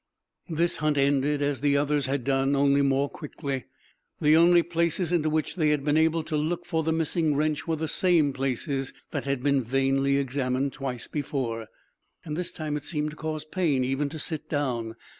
This hunt ended as the others had done, only more quickly. The only places into which they had been able to look for the missing wrench were the same places that had been vainly examined twice before. This time it seemed to cause pain even to sit down.